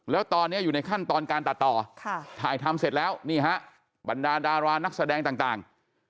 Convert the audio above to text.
แล้วตอนนี้อยู่ในขั้นตอนการตัดต่อถ่ายทำเสร็จแล้วนี่ฮะบรรดาดารานักแสดงต่าง